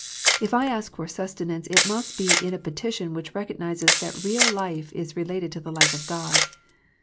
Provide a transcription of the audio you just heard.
If I ask for sustenance it must be in a petition which recognizes that real life is related to the life of God.